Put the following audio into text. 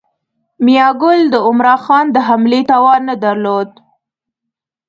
میاګل د عمرا خان د حملې توان نه درلود.